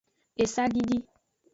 Esadidi.